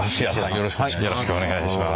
よろしくお願いします。